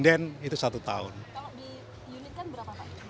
kalau di unit kan berapa pak